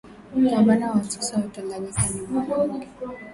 Gavana wa sasa wa tanganyika ni mwanamuke